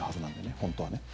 本当はね。